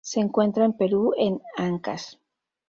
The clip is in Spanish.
Se encuentra en Perú en Ancash.